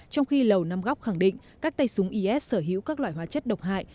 trong khi lầu năm góc khẳng định các tay súng is sở hữu các loại hóa chất độc hại